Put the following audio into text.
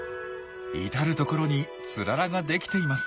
至る所にツララができています。